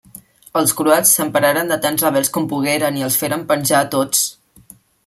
Els croats s'empararen de tants rebels com pogueren i els feren penjar a tots.